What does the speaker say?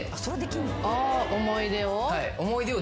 思い出を？